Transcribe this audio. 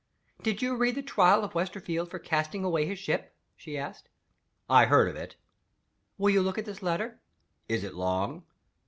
"Did you read the Trial of Westerfield for casting away his ship?" she asked. "I heard of it." "Will you look at this letter?" "Is it long?"